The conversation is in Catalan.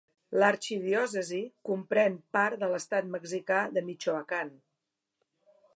L'arxidiòcesi comprèn part de l'estat mexicà de Michoacán.